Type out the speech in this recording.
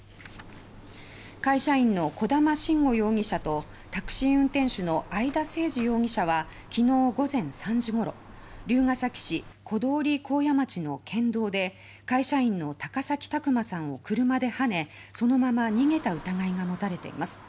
会社員の小玉慎悟容疑者とタクシー運転手の曾田誠司容疑者は昨日、午前３時ごろ龍ケ崎市小通幸谷町の県道で会社員の高崎拓磨さんを車ではねそのまま逃げた疑いがもたれています。